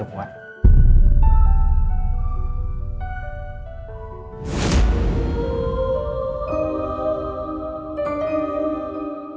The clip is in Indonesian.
dimengerti membuatnya mu